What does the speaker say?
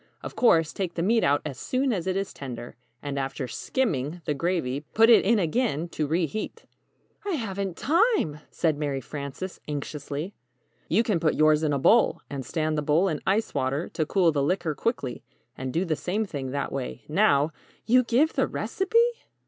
Of course, take the meat out as soon as it is tender, and after 'skimming' the gravy, put it in again to re heat." "I haven't time!" said Mary Frances, anxiously. "You can put yours in a bowl, and stand the bowl in ice water to cool the liquor quickly, and do the same thing that way, now " "You give the recipe?"